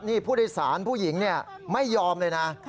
นี่ผู้โดยสารผู้หญิงไม่ยอมเลยนะ